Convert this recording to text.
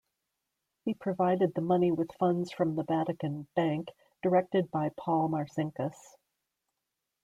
He provided the money with funds from the Vatican Bank directed by Paul Marcinkus.